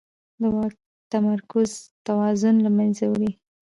د واک تمرکز توازن له منځه وړي